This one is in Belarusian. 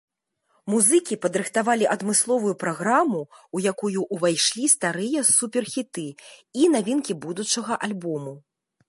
Музыкі падрыхтавалі адмысловую праграму, у якую ўвайшлі старыя супер-хіты і навінкі будучага альбому.